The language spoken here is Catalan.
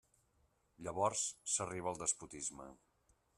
Llavors s'arriba al despotisme.